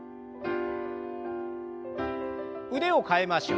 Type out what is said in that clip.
腕を替えましょう。